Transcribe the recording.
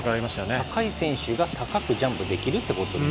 高い選手が高くジャンプできるという。